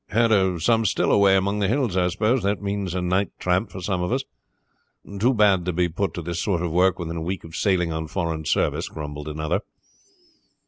"Heard of some still away among the hills, I suppose. That means a night's tramp for some of us. Too bad to be put to this sort of work within a week of sailing on foreign service," grumbled another.